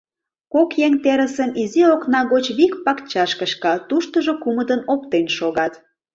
Кок еҥ терысым изи окна гоч вик пакчаш кышка, туштыжо кумытын оптен шогат.